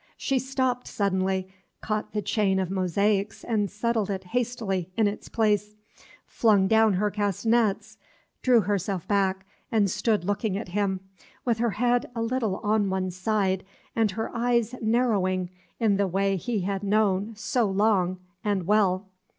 She stopped suddenly, caught the chain of mosaics and settled it hastily in its place, flung down her castanets, drew herself back, and stood looking at him, with her head a little on one side, and her eyes narrowing in the way he had known so long and well.